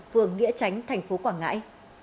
phường nghĩa tránh tp quảng ngãi